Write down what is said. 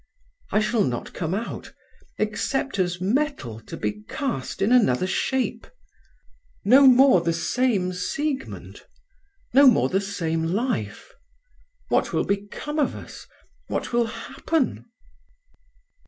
I shall not come out, except as metal to be cast in another shape. No more the same Siegmund, no more the same life. What will become of us—what will happen?"